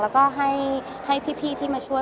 แล้วก็ให้พี่ที่มาช่วย